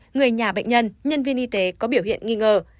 người nhà bệnh nhân nhân viên y tế có biểu hiện nghi ngờ